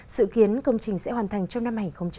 sự kiến công trình sẽ hoàn thành trong năm hai nghìn hai mươi